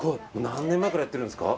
何年前からやってるんですか？